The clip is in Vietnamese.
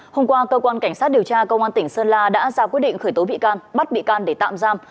hôm qua cơ quan cảnh sát điều tra công an tỉnh sơn la đã ra quyết định khởi tố bị can bắt bị can để tạm giam